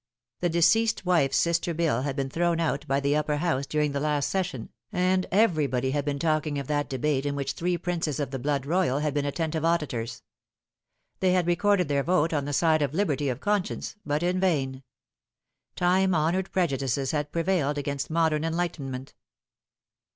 The Deceased Wife's Sister Bill had been thrown out by the Upper House during the last session, and everybody had been talking of that; debate in which three princes of the blood royal had been attentive auditors. They had recorded their vote on the side of liberty of conscience, but iu vain. Time honoured prejudices had prevailed against modern enlightenment.